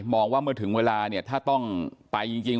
ว่าเมื่อถึงเวลาเนี่ยถ้าต้องไปจริง